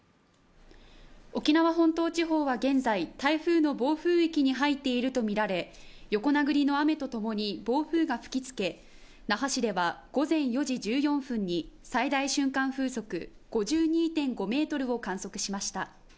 沖縄本島地方は現在、台風の暴風域に入っているとみられ横殴りの雨とともに暴風が吹きつけ那覇市では午前４時１４分に、最大瞬間風速５２．５ｍを観測しました